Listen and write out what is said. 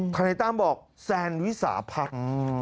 นายตั้มบอกแซนวิสาพัฒน์